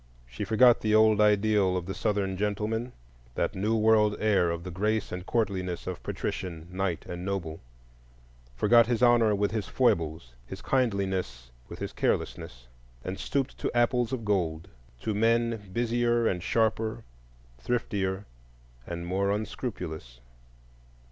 She forgot the old ideal of the Southern gentleman,—that new world heir of the grace and courtliness of patrician, knight, and noble; forgot his honor with his foibles, his kindliness with his carelessness, and stooped to apples of gold,—to men busier and sharper, thriftier and more unscrupulous.